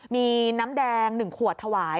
มีน้ำแดง๑ขวดถวาย